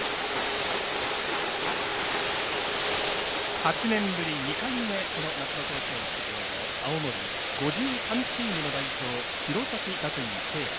８年ぶり２回目この夏の甲子園出場の青森５３チームの代表弘前学院聖愛。